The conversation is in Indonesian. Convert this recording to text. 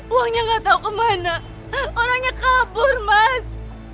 uangnya gak tau kemana orangnya kabur mas